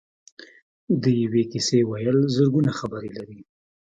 د یوې کیسې ویل زرګونه خبرې لري.